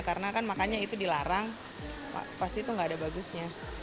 karena kan makannya itu dilarang pasti itu gak ada bagusnya